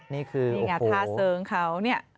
นี่คือโอ้โหนี่ไงท่าเสริงเขา